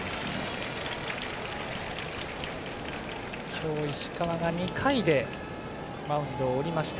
今日、石川が２回でマウンドを降りました。